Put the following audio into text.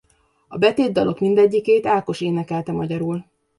A betétdalok mindegyikét Ákos énekelte magyarul.